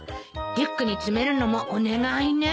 リュックに詰めるのもお願いね。